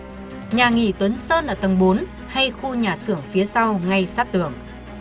cách nhà nghỉ tuấn sơn là tầng bốn hay khu nhà xưởng phía sau ngay sát tường